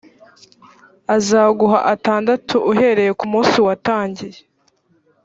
azaguha atandatu uhereye ku munsi watangiye.